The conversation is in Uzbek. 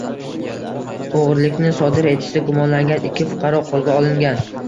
O‘g‘irlikni sodir etishda gumonlangan ikki fuqaro qo‘lga olingan